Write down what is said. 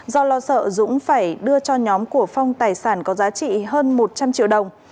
do lo sợ dũng phải đưa cho nhóm của phong tài sản có giá trị hơn một trăm linh triệu đồng